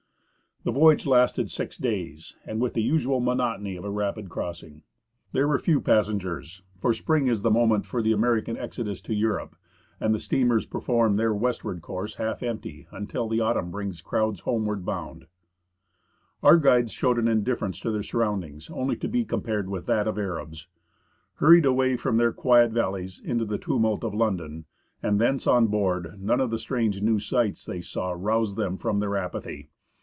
The voyage lasted six days, and with the usual monotony of a rapid crossing. There were few passengers, for spring is the moment for the American exodus to Europe, and the steamers 1 Vide Appendix A for full details of our equipment. 4 FROM TURIN TO SEATTLE perform their westward course half empty, until the autumn brings crowds homeward bound. Our guides showed an indifference to their surroundings only to be compared with that of Arabs. Hurried away from their quiet valleys into the tumult of London, and thence on board, none of the strange new sights they saw roused them from their apathy.